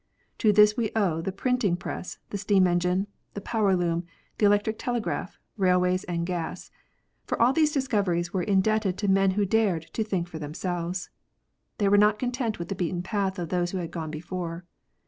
To this we owe the printing press, the steam engine, the powerloom, the electric telegraph, railways, and gas. For all these discoveries we are indebted to men who dared to "think for themselves." They were not content with the beaten path of those who had gone before.